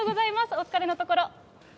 お疲れのところ。